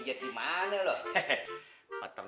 jangan main laughter